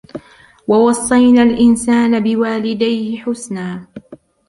وَوَصَّيْنَا الْإِنْسَانَ بِوَالِدِيهِ حُسْنًا